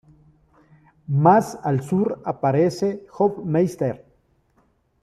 Más al sur aparece Hoffmeister.